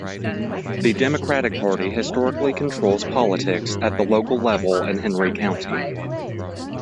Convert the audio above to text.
The Democratic Party historically controls politics at the local level in Henry County.